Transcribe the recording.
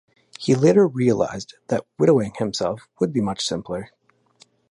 He later realized that widowing himself would be much simpler.